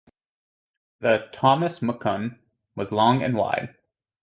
The "Thomas McCunn" was long and wide.